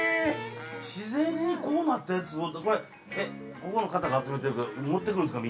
自然にこうなったやつをこれここの方が集めて持ってくるんですか？